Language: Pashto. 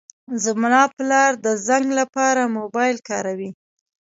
زما پلار د زنګ لپاره موبایل کاروي.